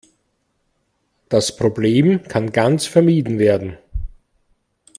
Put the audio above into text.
Das Problem kann ganz vermieden werden.